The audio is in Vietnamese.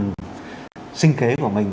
cái sinh kế của mình